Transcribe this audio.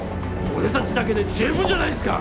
俺たちだけで十分じゃないっすか！